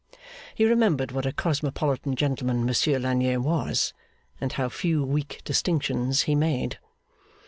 He remembered what a cosmopolitan gentleman Monsieur Lagnier was, and how few weak distinctions he made.